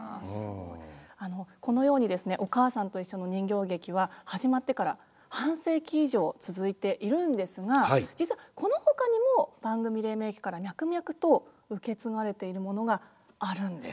あのこのようにですね「おかあさんといっしょ」の人形劇は始まってから半世紀以上続いているんですが実はこのほかにも番組黎明期から脈々と受け継がれているものがあるんです。